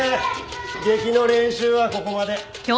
劇の練習はここまで。